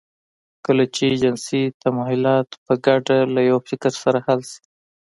کله چې جنسي تمايلات په ګډه له يوه فکر سره حل شي.